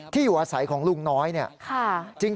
อยู่อาศัยของลุงน้อยเนี่ย